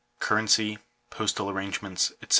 CURRENCY, POSTAL ARRANGEMENTS, ETC.